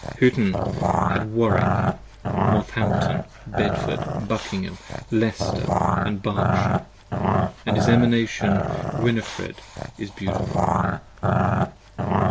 Huttn had Warwick, Northampton, Bedford, Buckingham, Leicester & Berkshire; & his Emanation is Gwinefred beautiful.